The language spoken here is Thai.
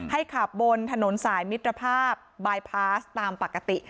ขับบนถนนสายมิตรภาพบายพาสตามปกติ